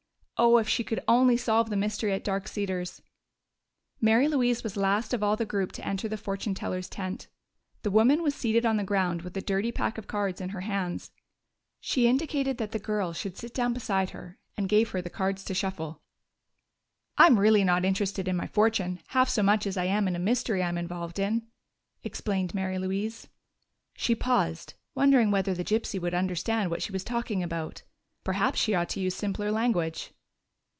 Oh, if she could only solve that mystery at Dark Cedars! Mary Louise was last of all the group to enter the fortune teller's tent. The woman was seated on the ground with a dirty pack of cards in her hands. She indicated that the girl should sit down beside her and gave her the cards to shuffle. "I'm really not interested in my fortune half so much as I am in a mystery I'm involved in," explained Mary Louise. She paused, wondering whether the gypsy would understand what she was talking about. Perhaps she ought to use simpler language.